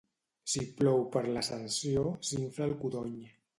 Si plou per l'Ascensió, s'infla el codony.